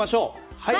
はい！